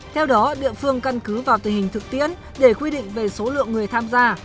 theo đó địa phương căn cứ vào tình hình thực tiễn để quy định về số lượng người tham gia